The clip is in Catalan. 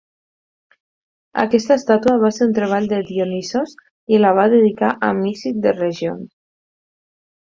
Aquesta estàtua va ser un treball de Dionisos i la va dedicar a Mícit de Rhegion.